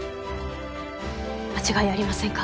間違いありませんか？